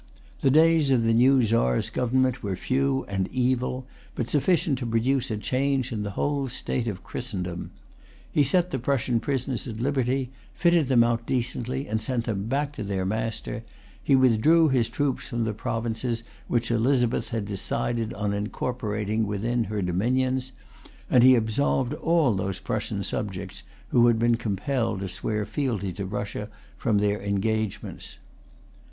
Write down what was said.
The days of the new Czar's government were few and evil, but sufficient to produce a change in the whole state of Christendom. He set the Prussian prisoners at liberty, fitted them out decently, and sent them back to their master; he withdrew his troops from the provinces which Elizabeth had decided on incorporating with her dominions; and he absolved all those Prussian subjects, who had been compelled to swear fealty to Russia, from their engagements.